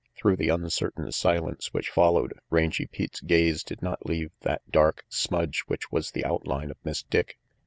Through the uncertain silence which followed, Rangy Pete's gaze did not leave that dark smudge which was the outline of Miss Dick.